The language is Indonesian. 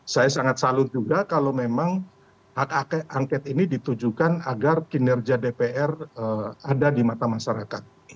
saya sangat salut juga kalau memang hak angket angket ini ditujukan agar kinerja dpr ada di mata masyarakat